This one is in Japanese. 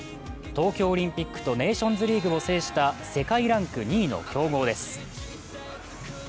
東京オリンピックとネーションズリーグを制した世界ランク２位の強豪です。